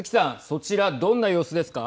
そちら、どんな様子ですか。